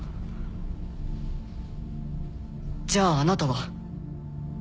じゃああなたは？